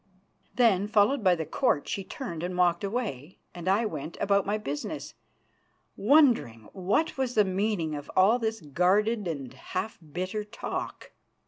Then, followed by the Court, she turned and walked away, and I went about my business, wondering what was the meaning of all this guarded and half bitter talk.